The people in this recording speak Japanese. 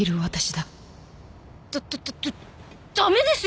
だだだだ駄目ですよ！